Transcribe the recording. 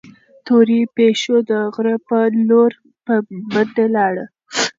تورې پيشو د غره په لور په منډه لاړه.